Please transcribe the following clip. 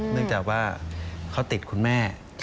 เนื่องจากว่าเขาติดคุณแม่